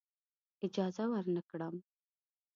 اجازه ورنه کړم.